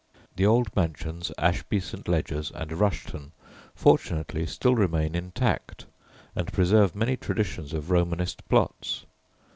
The old mansions Ashby St. Ledgers and Rushton fortunately still remain intact and preserve many traditions of Romanist plots.